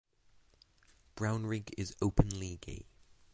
Brownrigg is openly gay.